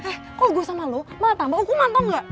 eh kalau gue sama lo malah tambah hukuman tau gak